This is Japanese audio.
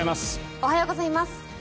おはようございます。